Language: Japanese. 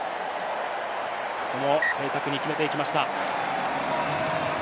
ここも正確に決めていきました。